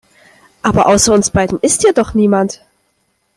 Aber außer uns beiden ist hier doch niemand.